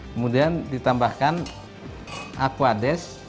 kemudian ditambahkan akuades